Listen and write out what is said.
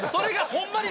ホンマに！